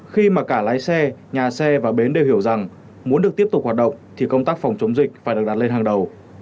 khi mà cả lái xe nhà xe và bến đều hiểu rằng muốn được tiếp tục hoạt động thì công tác phòng chống dịch phải được đặt lên hàng đầu